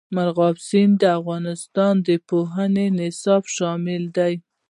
مورغاب سیند د افغانستان د پوهنې نصاب کې شامل دی.